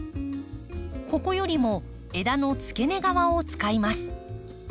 ここよりも枝の付け根側を使います。